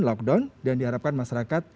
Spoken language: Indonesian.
lockdown dan diharapkan masyarakat